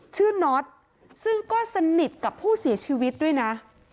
น็อตซึ่งก็สนิทกับผู้เสียชีวิตด้วยนะ